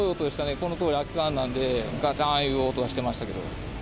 このとおり空き缶なんで、がちゃーんいう音がしてましたけど。